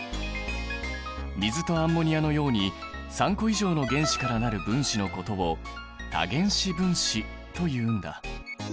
水とアンモニアのように３個以上の原子から成る分子のことを多原子分子というんだ。